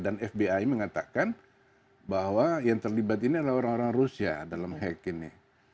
dan fbi mengatakan bahwa yang terlibat ini adalah orang orang rusia dalam hack ini